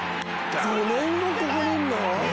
５年後ここにいるの！？